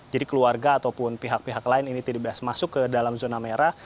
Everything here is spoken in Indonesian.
jadi keluarga ataupun pihak pihak lain ini tidak bisa masuk ke dalam zona merah